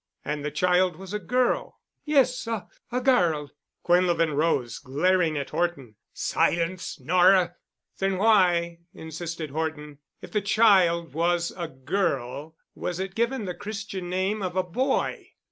"And the child was a girl?" "Yes—a—a girl——" Quinlevin rose, glaring at Horton. "Silence, Nora!" "Then why," insisted Horton, "if the child was a girl, was it given the Christian name of a boy?"